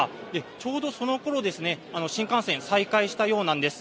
ちょうどそのころ新幹線、再開したようなんです。